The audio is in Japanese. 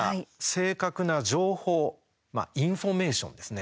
正確な情報インフォメーションですね